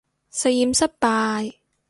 實驗失敗